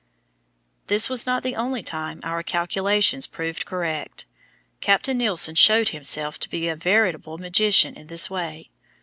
This was not the only time our calculations proved correct; Captain Nilsen showed himself to be a veritable magician in this way.